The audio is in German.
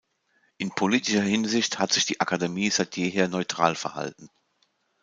In politischer Hinsicht hat sich die Akademie seit jeher neutral verhalten.